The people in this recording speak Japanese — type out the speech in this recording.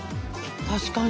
確かに。